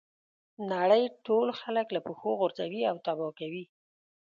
نړۍ ټول خلک له پښو غورځوي او تباه کوي.